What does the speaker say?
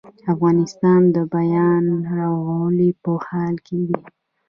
افغانستان د بیا رغونې په حال کې دی